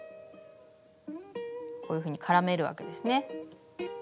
こういうふうに絡めるわけですね。